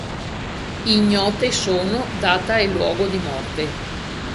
Ignote sono data e luogo di morte.